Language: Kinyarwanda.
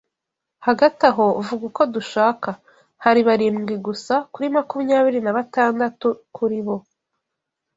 hagati aho, vuga uko dushaka, hari barindwi gusa kuri makumyabiri na batandatu kuri bo